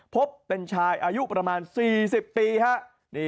พบเป็นชายอายุประมาณ๔๐ปีครับ